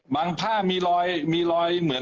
ไม่มีแต่เนื้อ